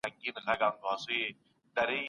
د تورو له کچ کولو وروسته د چاپ اصلي مهال څرګندیږي.